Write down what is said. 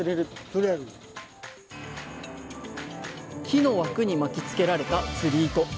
木の枠に巻きつけられた釣り糸。